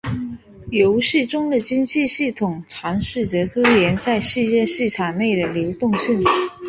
游戏中的经济系统尝试着资源在世界市场内的流动性。